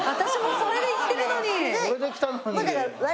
それできたのに。